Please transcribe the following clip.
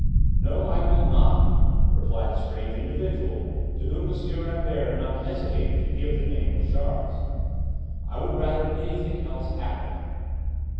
"No, I will not," replied the strange individual, to whom M. Rambert had not hesitated to give the name of Charles. "I would rather anything else happened."